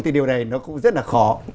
thì điều này nó cũng rất là khó